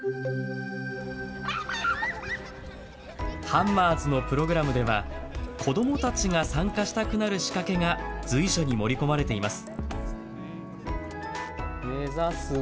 ハンマーズのプログラムでは子どもたちが参加したくなる仕掛けが随所に盛り込まれています。